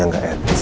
dia enggak etis